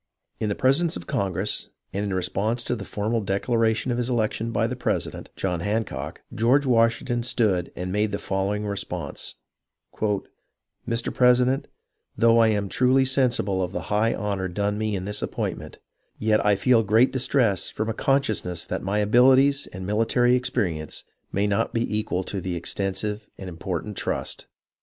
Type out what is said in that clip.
In the presence of Congress, and in response to the formal declaration of his election by the president, John Hancock, George Washington stood and made the follow ing response : "Mr. President, — Though I am truly sen sible of the high honour done me in this appointment, yet, I feel great distress from a consciousness that my abilities and military experience may not be equal to the extensive and important trust.